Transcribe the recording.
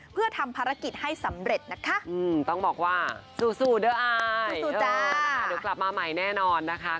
บอกเลยว่าจะกลับมาอีกครั้งแน่นอน